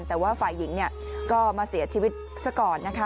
แต่ว่าฝ่ายหญิงเนี่ยก็มาเสียชีวิตซะก่อนนะคะ